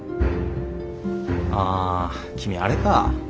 あ君あれか。